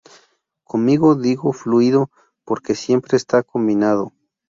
Conmigo digo fluido porque siempre está cambiando".